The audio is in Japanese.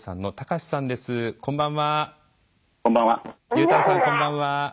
こんばんは。